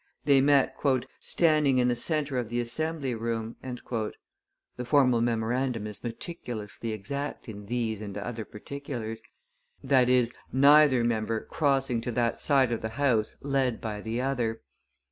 They met 'standing in the centre of the Assembly Room' (the formal memorandum is meticulously exact in these and other particulars), that is, neither member crossing to that side of the House led by the other.